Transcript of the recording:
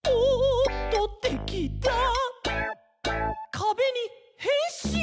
「『かべ』にへんしん」